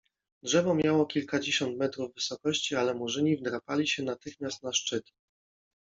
Drzewo miało kilkadziesiąt metrów wysokości, ale Murzyni wdrapali się natychmiast na szczyt.